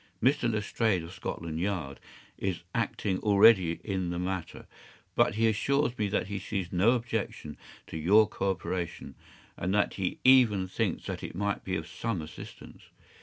Mr. Lestrade, of Scotland Yard, is acting already in the matter, but he assures me that he sees no objection to your co operation, and that he even thinks that it might be of some assistance.